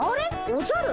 おじゃる？